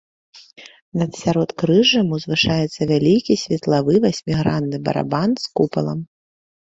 Над сяродкрыжжам узвышаецца вялікі светлавы васьмігранны барабан з купалам.